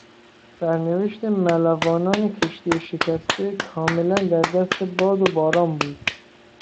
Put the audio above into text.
سرنوشت ملوانان کشتی شکسته کاملا در دست باد و باران بود.